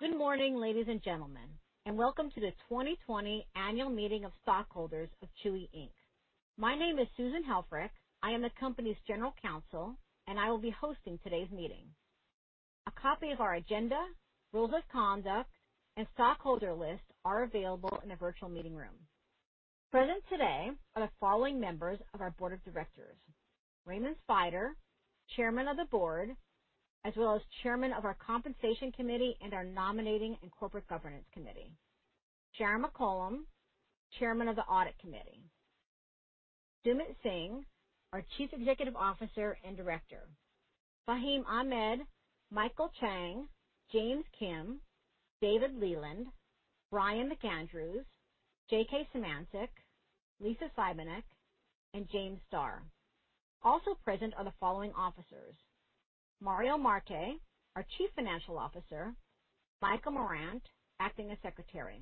Good morning, ladies and gentlemen, and welcome to the 2020 Annual Meeting of Stockholders of Chewy, Inc. My name is Susan Helfrick. I am the company's General Counsel. I will be hosting today's meeting. A copy of our agenda, rules of conduct, and stockholder list are available in the virtual meeting room. Present today are the following members of our Board of Directors: Raymond Svider, Chairman of the Board, as well as Chairman of our Compensation Committee and our Nominating and Corporate Governance Committee, Sharon McCollam, Chairman of the Audit Committee, Sumit Singh, our Chief Executive Officer and Director, Fahim Ahmed, Michael Chang, James Kim, David Leland, Brian McAndrews, J.K. Symancyk, Lisa Sibenac, and James Star. Also present are the following officers: Mario Marte, our Chief Financial Officer, Michael Morant, acting as Secretary.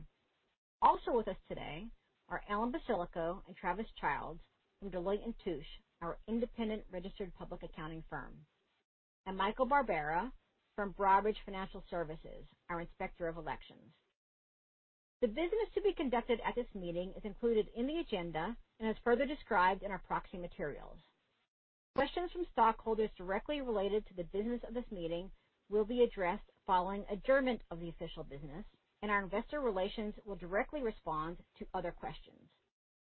Also with us today are Ellen Basilico and Travis Childs from Deloitte & Touche, our independent registered public accounting firm, and Michael Barbera from Broadridge Financial Solutions, our Inspector of Elections. The business to be conducted at this meeting is included in the agenda and is further described in our proxy materials. Questions from stockholders directly related to the business of this meeting will be addressed following adjournment of the official business, and our investor relations will directly respond to other questions.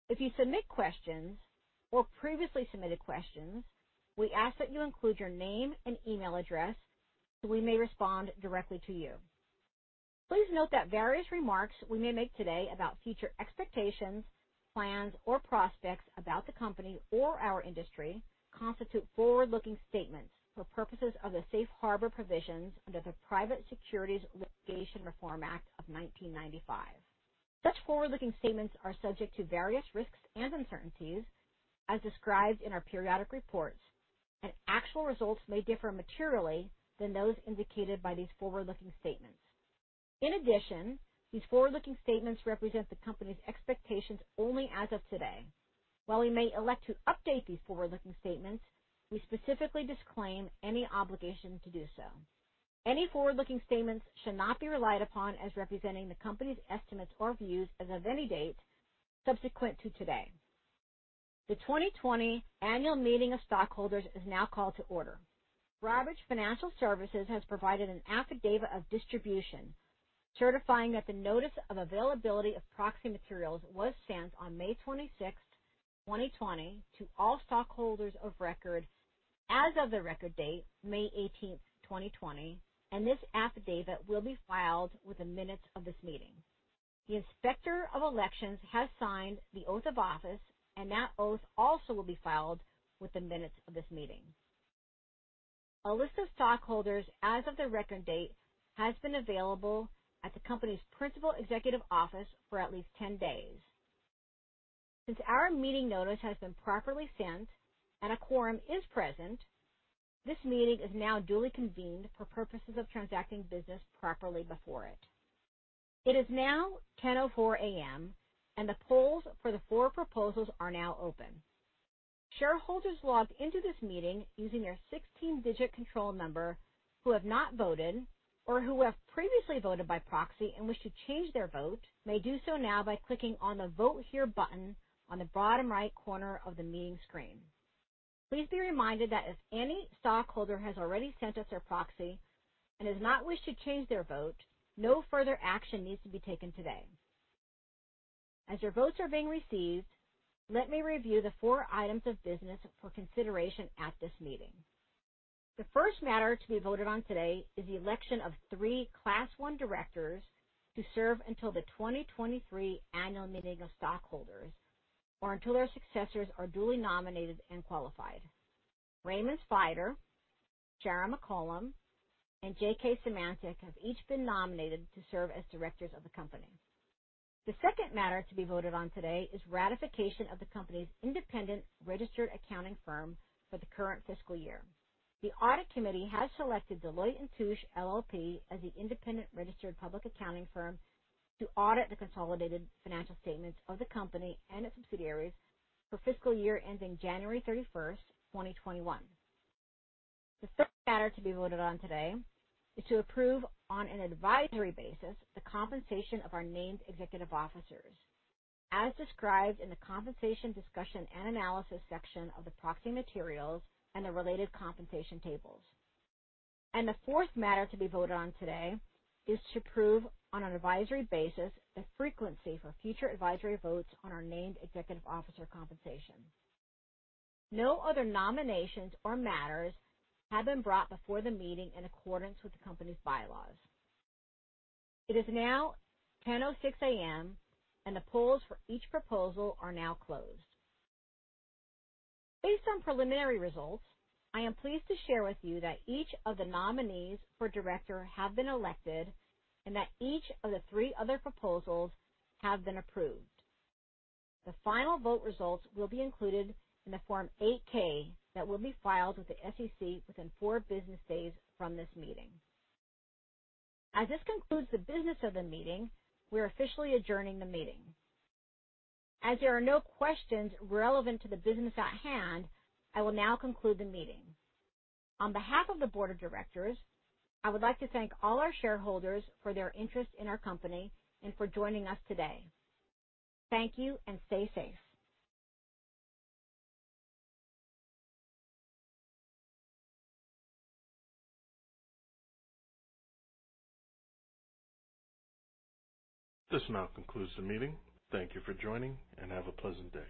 If you submit questions or previously submitted questions, we ask that you include your name and email address so we may respond directly to you. Please note that various remarks we may make today about future expectations, plans, or prospects about the company or our industry constitute forward-looking statements for purposes of the safe harbor provisions under the Private Securities Litigation Reform Act of 1995. Such forward-looking statements are subject to various risks and uncertainties as described in our periodic reports, and actual results may differ materially from those indicated by these forward-looking statements. In addition, these forward-looking statements represent the company's expectations only as of today. While we may elect to update these forward-looking statements, we specifically disclaim any obligation to do so. Any forward-looking statements should not be relied upon as representing the company's estimates or views as of any date subsequent to today. The 2020 annual meeting of stockholders is now called to order. Broadridge Financial Solutions has provided an affidavit of distribution certifying that the notice of availability of proxy materials was sent on May 26, 2020, to all stockholders of record as of the record date, May 18, 2020, and this affidavit will be filed with the minutes of this meeting. The Inspector of Elections has signed the oath of office, and that oath also will be filed with the minutes of this meeting. A list of stockholders as of the record date has been available at the company's principal executive office for at least 10 days. Since our meeting notice has been properly sent and a quorum is present, this meeting is now duly convened for purposes of transacting business properly before it. It is now 10:04 A.M., and the polls for the four proposals are now open. Shareholders logged into this meeting using your 16-digit control number who have not voted or who have previously voted by proxy and wish to change their vote may do so now by clicking on the Vote Here button on the bottom right corner of the meeting screen. Please be reminded that if any stockholder has already sent us their proxy and does not wish to change their vote, no further action needs to be taken today. As your votes are being received, let me review the four items of business for consideration at this meeting. The first matter to be voted on today is the election of three Class 1 directors to serve until the 2023 annual meeting of stockholders or until their successors are duly nominated and qualified. Raymond Svider, Sharon McCollam, and J.K. Symancyk have each been nominated to serve as directors of the company. The second matter to be voted on today is ratification of the company's independent registered accounting firm for the current fiscal year. The Audit Committee has selected Deloitte & Touche LLP as the independent registered public accounting firm to audit the consolidated financial statements of the company and its subsidiaries for fiscal year ending January 31st, 2021. The third matter to be voted on today is to approve, on an advisory basis, the compensation of our named executive officers as described in the compensation discussion and analysis section of the proxy materials and the related compensation tables. The fourth matter to be voted on today is to approve, on an advisory basis, the frequency for future advisory votes on our named executive officer compensation. No other nominations or matters have been brought before the meeting in accordance with the company's bylaws. It is now 10:06 A.M. The polls for each proposal are now closed. Based on preliminary results, I am pleased to share with you that each of the nominees for director have been elected and that each of the three other proposals have been approved. The final vote results will be included in the Form 8-K that will be filed with the SEC within four business days from this meeting. As this concludes the business of the meeting, we are officially adjourning the meeting. As there are no questions relevant to the business at hand, I will now conclude the meeting. On behalf of the board of directors, I would like to thank all our shareholders for their interest in our company and for joining us today. Thank you, and stay safe. This now concludes the meeting. Thank you for joining, and have a pleasant day.